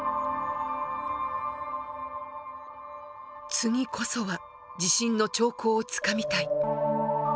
次こそは地震の兆候をつかみたい。